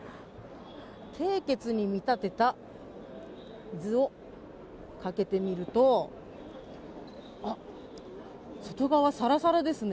経血に見立てた水をかけてみると外側さらさらですね。